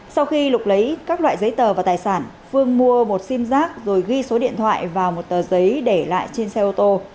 sau khi lục lấy các loại giấy tờ và tài sản phương mua một sim giác rồi ghi số điện thoại vào một tờ giấy để lại trên xe ô tô